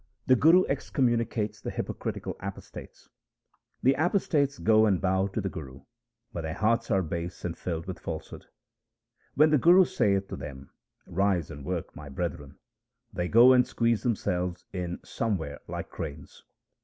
The Guru excommunicates the hypocritical apos tates :— The apostates go and bow to the Guru, but their hearts are base and filled with falsehood. When the Guru saith to them ' Rise and work, my brethren,' they go and squeeze themselves in somewhere like cranes.